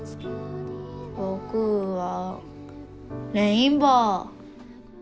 僕はレインボー！